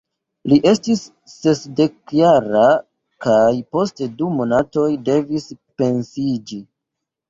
Li estis sesdekjara kaj post du monatoj devis pensiiĝi.